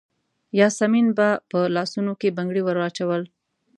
یاسمین به په لاسونو کې بنګړي وراچول.